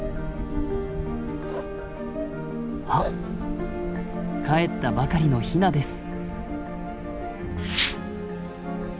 あっかえったばかりのヒナです。